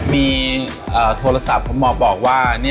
มีโทรศัพท์บอกว่า